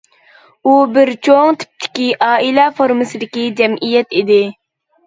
بۇ بىر چوڭ تىپتىكى ئائىلە فورمىسىدىكى جەمئىيەت ئىدى.